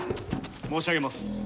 申し上げます。